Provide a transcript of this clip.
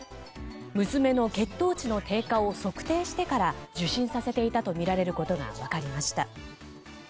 娘の血糖値の低下を測定してから受診させていたとみられることが分かりました。